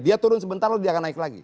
dia turun sebentar lalu dia akan naik lagi